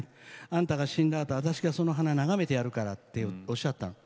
あんたが死んだあと私がその花眺めてやるから」っておっしゃったの。